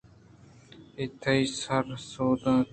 اے تئی سر ے سودا اِنت